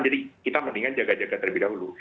jadi kita mendingan jaga jaga terlebih dahulu